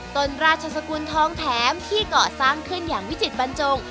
ต้นราชสกุลทองแถมที่เกาะสร้างขึ้นอย่างวิจิตบรรจง